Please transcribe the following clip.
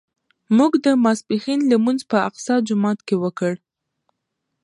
موږ د ماسپښین لمونځ په اقصی جومات کې وکړ.